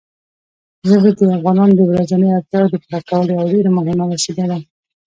ژبې د افغانانو د ورځنیو اړتیاوو د پوره کولو یوه ډېره مهمه وسیله ده.